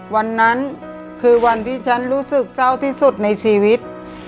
วันนั้นคือวันที่ฉันรู้สึกเศร้าที่สุดในชีวิต